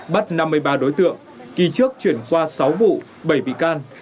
bắt năm mươi ba đối tượng kỳ trước chuyển qua sáu vụ bảy bị can